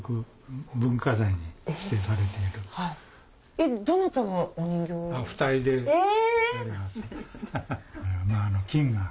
えっどなたがお人形を？え！